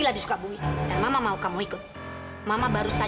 jadi itu kalau kamu amira